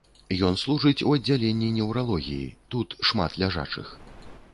Ён служыць у аддзяленні неўралогіі, тут шмат ляжачых.